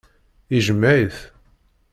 Ijmeɛ-it.